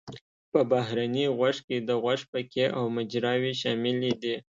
په بهرني غوږ کې د غوږ پکې او مجراوې شاملې دي.